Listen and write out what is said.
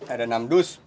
ada enam dus